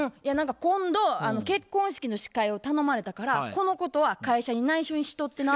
「今度結婚式の司会を頼まれたからこのことは会社にないしょにしとってな」